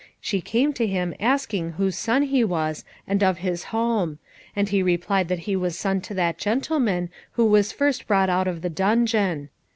She came to him asking whose son he was and of his home, and he replied that he was son to that gentleman, who was first brought out of the dungeon.